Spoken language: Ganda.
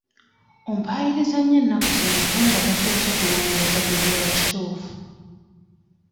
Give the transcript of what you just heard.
Ompaayiriza nnyo ennaku zino ate nga tosoose kunoonyereza kuzuula kituufu.